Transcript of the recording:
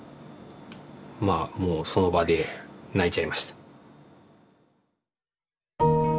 まあもうその場で泣いちゃいました。